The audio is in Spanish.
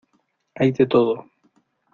hay de todo.